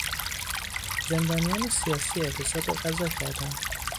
زندانیان سیاسی اعتصاب غذا کردند.